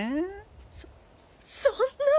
そそんな。